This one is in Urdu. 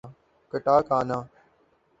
کٹاکانا